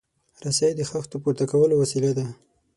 رسۍ د خښتو پورته کولو وسیله ده.